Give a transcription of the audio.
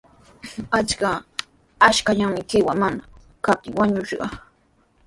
Achka ashkallami qiwa mana kaptin wañushqa.